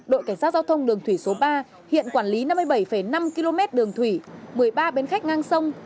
đội cảnh sát giao thông đường thủy số ba hiện quản lý năm mươi bảy năm km đường thủy một mươi ba bến khách ngang sông